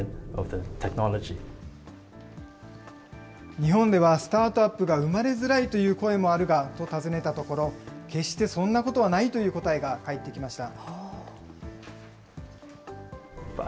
日本ではスタートアップが生まれづらいという声もあるが？と尋ねたところ、決してそんなことはないという答えが返ってきました。